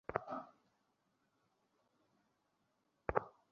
তার সাথে মোকাবিলা করার সাহস কারো নেই, গুরু!